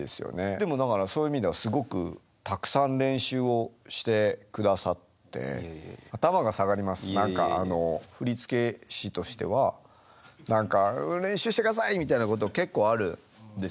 でもだからそういう意味ではすごくたくさん練習をしてくださって何か練習してください！みたいなこと結構あるんですよね。